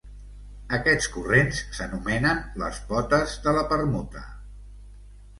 Aquests corrents s'anomenen les "potes" de la permuta.